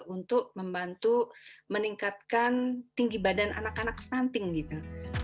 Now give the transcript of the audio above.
untuk membantu meningkatkan tinggi badan anak anak stunting gitu